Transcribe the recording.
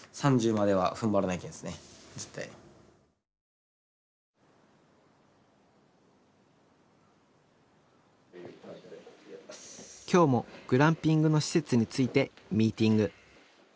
最低でも今日もグランピングの施設についてミーティング。